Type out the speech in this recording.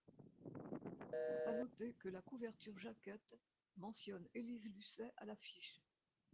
A noter que la couverture jaquette mentionne Élise Lucet à l'affiche.